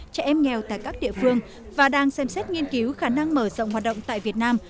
trẻ em nghèo tại các địa phương và đang xem xét nghiên cứu khả năng mở rộng hoạt động tại việt nam